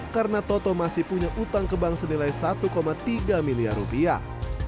karena toto masih punya utang kebang senilai satu tiga miliar rupiah